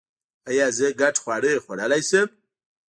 ایا زه ګډ خواړه خوړلی شم؟